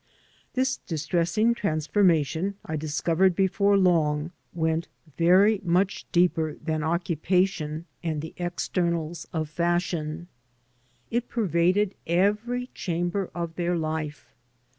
This distressing transformation, I discovered before long, went very much deeper than occupation and the 78 t i HOW DO YOU LIKE AMERICA?" externals of fashion. It pervaded every chamber of their life.